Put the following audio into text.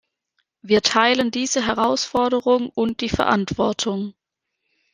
Wir teilen diese Herausforderung und die Verantwortung.